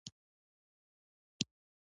انا د پاک زړه خاونده ده